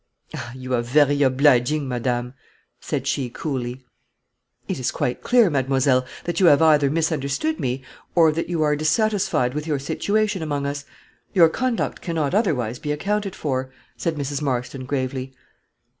"Ah, you are very obliging, madame," said she, coolly. "It is quite clear, mademoiselle, that you have either misunderstood me, or that you are dissatisfied with your situation among us: your conduct cannot otherwise be accounted for," said Mrs. Marston, gravely.